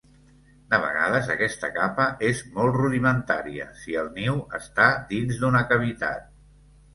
De vegades, aquesta capa és molt rudimentària si el niu està dins d'una cavitat.